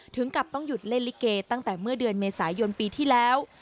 ถึงกับต้องหยุดเล่นลิเกตั้งแต่เมื่อเดือนเมษายนปีที่แล้ว